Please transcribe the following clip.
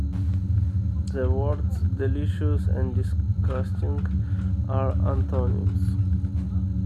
The words delicious and disgusting are antonyms.